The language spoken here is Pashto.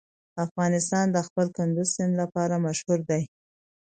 افغانستان د خپل کندز سیند لپاره مشهور دی.